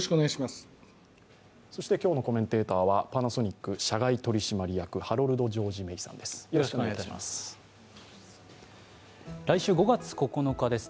今日のコメンテーターはパナソニック社外取締役ハロルド・ジョージ・メイさんです。